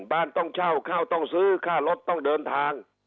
บ้านต้องเช่าข้าวต้องซื้อค่ารถต้องเดินทาง